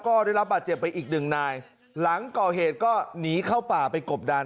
ก็ได้รับบาดเจ็บไปอีกหนึ่งนายหลังก่อเหตุก็หนีเข้าป่าไปกบดัน